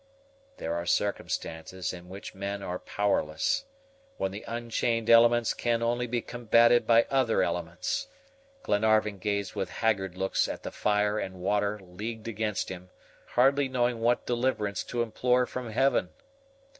There are circumstances in which men are powerless, when the unchained elements can only be combated by other elements. Glenarvan gazed with haggard looks at the fire and water leagued against him, hardly knowing what deliverance to implore from Heaven.